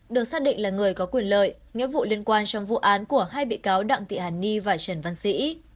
được xác định là người có quyền lợi nghĩa vụ liên quan trong vụ án của hai bị cáo đặng thị hằng nhi và trần văn sĩ